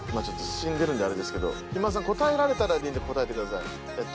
ちょっと死んでるんであれですけど肥満さん答えられたらでいいんで答えてください。